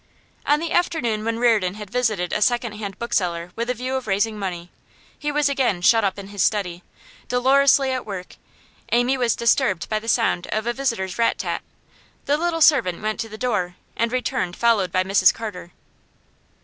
On the afternoon when Reardon had visited a second hand bookseller with a view of raising money he was again shut up in his study, dolorously at work Amy was disturbed by the sound of a visitor's rat tat; the little servant went to the door, and returned followed by Mrs Carter.